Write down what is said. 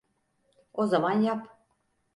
O zaman yap.